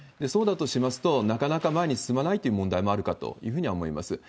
そうだとしますと、なかなか前に進まないという問題もあるかというふうには思います。